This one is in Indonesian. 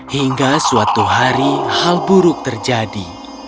hingga suatu hari hal buruk terjadi